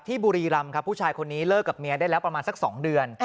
บุรีรำครับผู้ชายคนนี้เลิกกับเมียได้แล้วประมาณสัก๒เดือน